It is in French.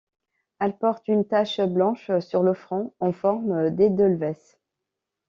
Elle porte une tache blanche sur le front en forme d'édelweiss.